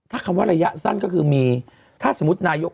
ถ้าคำว่าระยะสั้นก็คือมีถ้าสมมุตินายก